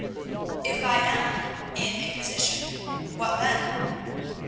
"If I am in a position, what then?"